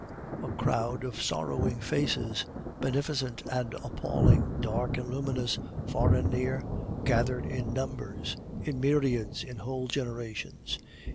A crowd of sorrowing faces, beneficent and appalling, dark and luminous, far and near, gathered in numbers, in myriads, in whole generations.